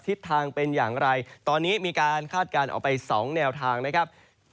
ทิศทางเป็นอย่างไรตอนนี้มีการคาดการณ์ออกไป๒แนวทางนะครับ